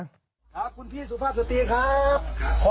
ครับคุณพี่สุภาพสตรีครับ